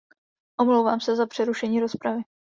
Omlouvám se za přerušení rozpravy.